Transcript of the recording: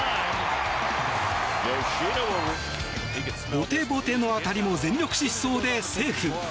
ボテボテの当たりも全力疾走でセーフ！